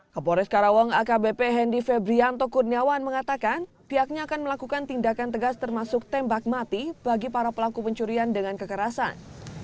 kapolres karawang akbp hendy febrianto kurniawan mengatakan pihaknya akan melakukan tindakan tegas termasuk tembak mati bagi para pelaku pencurian dengan kekerasan